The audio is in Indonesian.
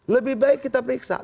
lebih baik kita periksa